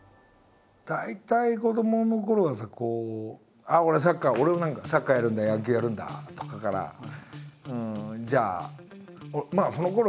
大体子どものころはさこう俺はサッカー俺はサッカーやるんだ野球やるんだとかからじゃあまあそのころ